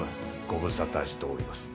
ご無沙汰しております。